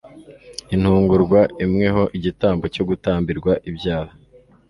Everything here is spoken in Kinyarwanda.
intungura imwe ho igitambo cyo gutambirwa ibyaha